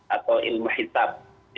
atau ilmu hisap